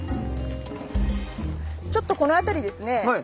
ちょっとこの辺りですね